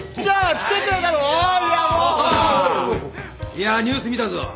いやニュース見たぞ。